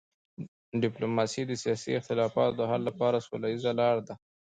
ډیپلوماسي د سیاسي اختلافاتو د حل لپاره سوله ییزه لار ده.